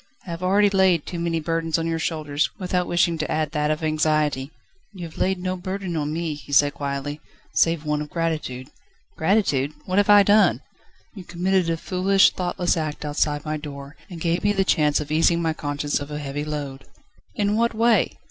"I have already laid too many burdens on your shoulders, without wishing to add that of anxiety." "You have laid no burden on me," he said quietly, "save one of gratitude." "Gratitude? What have I done?" "You committed a foolish, thoughtless act outside my door, and gave me the chance of easing my conscience of a heavy load." "In what way?"